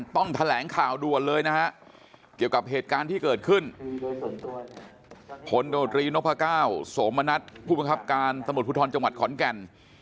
แถลงข่าวด่วนเลยนะฮะเกี่ยวกับเหตุการณ์ที่เกิดขึ้นพลโดตรีนพก้าวโสมณัฐผู้บังคับการตำรวจภูทรจังหวัดขอนแก่น